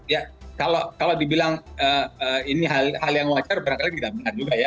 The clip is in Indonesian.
ya kalau dibilang ini hal yang wajar barangkali tidak benar juga ya